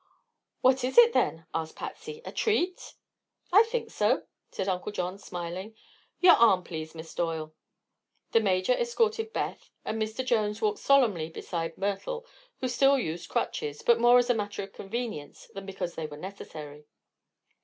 "What is it, then?" asked Patsy. "A treat?" "I think so," said Uncle John, smiling. "Your arm, please, Miss Doyle." The Major escorted Beth and Mr. Jones walked solemnly beside Myrtle, who still used crutches, but more as a matter of convenience than because they were necessary.